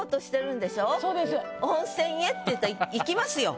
「温泉へ」って言ったら行きますよ。